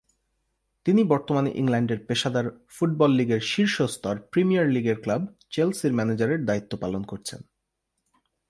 তিনি বর্তমানে ইংল্যান্ডের পেশাদার ফুটবল লীগের শীর্ষ স্তর প্রিমিয়ার লীগের ক্লাব চেলসির ম্যানেজারের দায়িত্ব পালন করছেন।